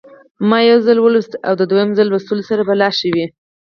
ما یو ځل ولوستی او د دویم ځل لوستلو سره به لا ښه وي.